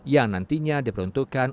yang nantinya diperuntukkan